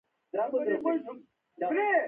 دا يو انسان ديه.